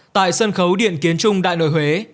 tại sân khấu điện kiến trung đại nội huế